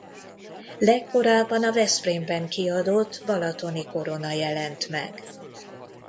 Legkorábban a Veszprémben kiadott Balatoni Korona jelent meg.